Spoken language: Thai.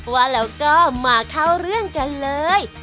ว่าแล้วก็มาเข้าเรื่องกันเลย